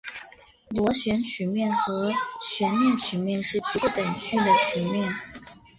螺旋曲面和悬链曲面是局部等距的曲面。